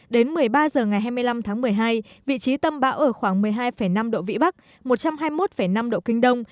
đến một mươi ba h ngày hai mươi năm tháng một mươi hai vị trí tâm bão ở khoảng một mươi hai năm độ vĩ bắc một trăm hai mươi một năm độ kinh đông